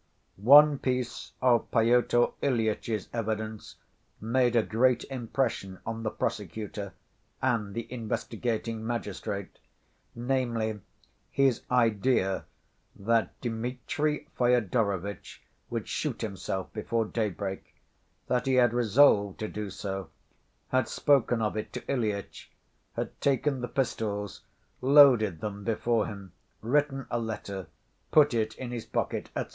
One piece of Pyotr Ilyitch's evidence made a great impression on the prosecutor and the investigating magistrate, namely, his idea that Dmitri Fyodorovitch would shoot himself before daybreak, that he had resolved to do so, had spoken of it to Ilyitch, had taken the pistols, loaded them before him, written a letter, put it in his pocket, etc.